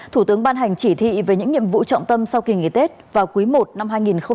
thủ tướng ban hành chỉ thị về những nhiệm vụ trọng tâm sau kỳ nghỉ tết vào cuối một năm hai nghìn hai mươi hai